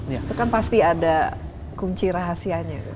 itu kan pasti ada kunci rahasianya